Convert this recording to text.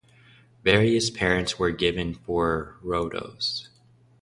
Various parents were given for Rhodos.